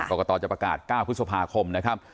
กรกตจะประกาศ๙พฤษภาคมนะครับ